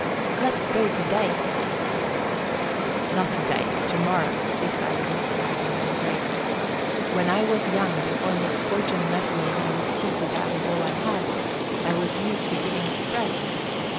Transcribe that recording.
"Let's go today," he said. "Not today tomorrow," decided Mr. Lightenhome, gravely. "When I was young, before misfortune met me and I was cheated out of all I had, I was used to giving spreads.